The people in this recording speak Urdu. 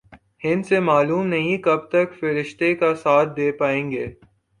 ہندسے معلوم نہیں کب تک فرشتے کا ساتھ دے پائیں گے۔